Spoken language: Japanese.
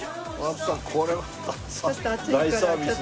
これは大サービスですね。